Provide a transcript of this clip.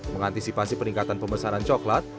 mengantisipasi peningkatan pemesanan coklat